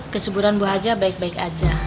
kesuburan bu haja baik baik aja